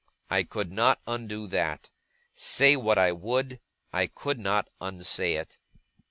I could not undo that. Say what I would, I could not unsay it.